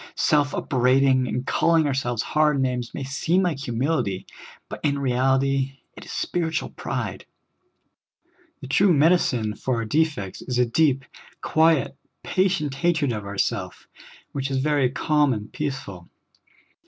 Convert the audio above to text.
Self upbraiding and calling our selves hard names may seem like humility, but in reality it is spiritual pride. The true medicine for our defects is a deep, quiet, patient hatred of self, which is very calm and peaceful.